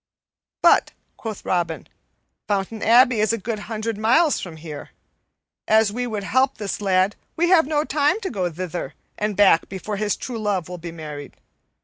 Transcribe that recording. "But," quoth Robin, "Fountain Abbey is a good hundred miles from here. An we would help this lad, we have no time to go thither and back before his true love will be married.